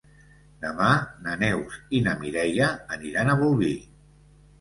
Demà na Neus i na Mireia aniran a Bolvir.